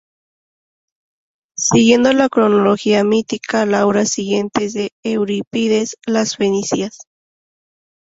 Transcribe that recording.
Siguiendo la cronología mítica, la obra siguiente es de Eurípides: "Las fenicias".